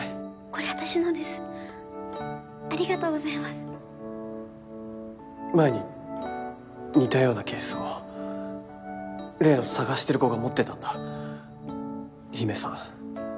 これ私のですありがとうございます前に似たようなケースを例の探してる子が持ってたんだ陽芽さん